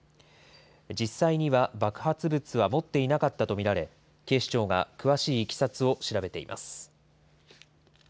実際には爆発物は持っていなかったと見られ、警視庁が詳しいいきさつを調べています。